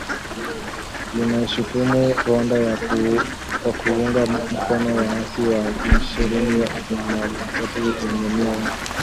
linaishutumu Rwanda kwa kuunga mkono waasi wa M ishirini na tatu wenye nia ya